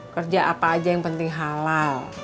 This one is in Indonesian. kerja apa aja yang penting halal